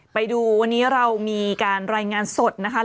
ไปดูวันนี้เรามีการรายงานสดนะคะ